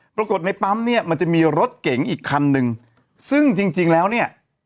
ปรากฏในปั๊มเนี่ยมันจะมีรถเก๋งอีกคันนึงซึ่งจริงจริงแล้วเนี่ย